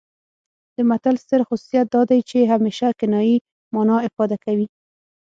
د متل ستر خصوصیت دا دی چې همیشه کنايي مانا افاده کوي